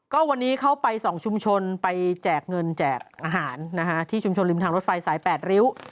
ก็วันนี้เขาไป๒ชุมชนไปแจกเงินแจกอาหารที่ชุมชนริมทางรถไฟสาย๘ริ้ว